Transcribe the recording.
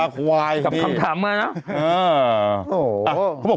กับคำถามมาเนาะ